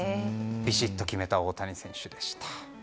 ビシッと決めた大谷選手でした。